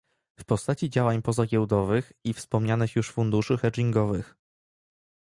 w postaci działań pozagiełdowych i wspomnianych już funduszy hedgingowych